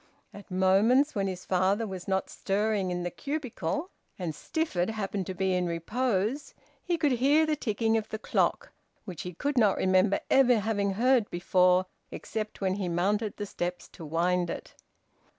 At moments when his father was not stirring in the cubicle, and Stifford happened to be in repose, he could hear the ticking of the clock, which he could not remember ever having heard before, except when he mounted the steps to wind it.